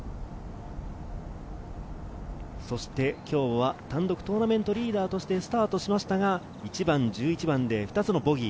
そして今日は単独トーナメントリーダーとしてスタートしましたが、１番、１１番で２つのボギー。